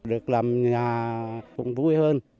được làm nhà cũng vui hơn